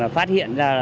phát hiện ra